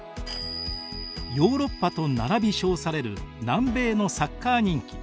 ヨーロッパと並び称される南米のサッカー人気。